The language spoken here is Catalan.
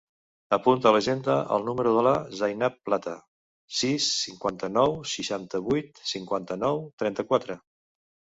Apunta a l'agenda el número de la Zainab Plata: sis, cinquanta-nou, setanta-vuit, cinquanta-nou, trenta-quatre.